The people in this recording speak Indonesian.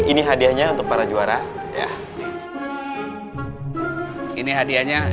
ini hadiahnya untuk para juara ini hadiahnya